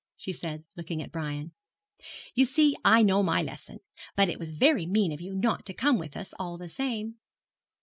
she said, looking at Brian. 'You see I know my lesson; but it was very mean of you not to come with us, all the same.'